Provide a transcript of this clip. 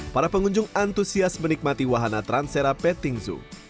para pengunjung antusias menikmati wahana transera petting zoo